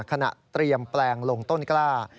เตรียมแปลงลงต้นกล้า